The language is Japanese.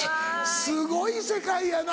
すごい世界やな！